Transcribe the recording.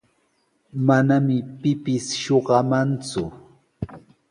Manami pipis shuqamanku.